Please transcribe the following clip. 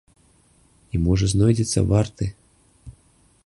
І, можа, знойдзецца варты!